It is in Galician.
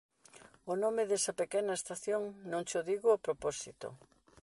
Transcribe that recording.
O nome desa pequena estación non cho digo a propósito.